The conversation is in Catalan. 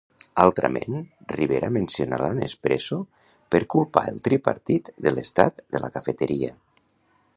Altrament, Rivera menciona la Nespresso per culpar el tripartit de l'estat de la cafeteria.